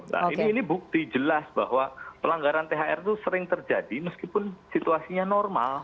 nah ini bukti jelas bahwa pelanggaran thr itu sering terjadi meskipun situasinya normal